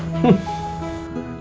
jadi mereka kenalan dulu makanya lama